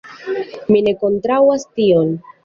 Mi ne kontraŭas tion.